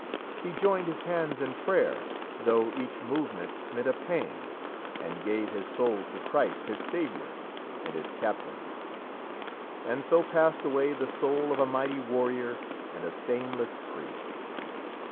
He joined his hands in prayer, though each movement meant a pang, and gave his soul to Christ, his Saviour and his Captain. And so passed away the soul of a mighty warrior and a stainless priest.